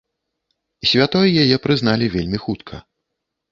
Святой яе прызналі вельмі хутка.